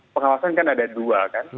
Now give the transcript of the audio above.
pengawasan kan ada dua kan